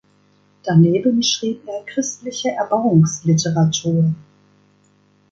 Daneben schrieb er christliche Erbauungsliteratur.